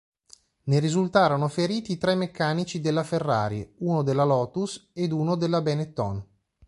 Ne risultarono feriti tre meccanici della Ferrari, uno della Lotus ed uno della Benetton.